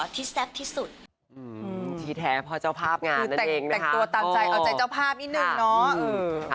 ตักตัวตามใจออกใจเจ้าภาพอีกนึงเนอะ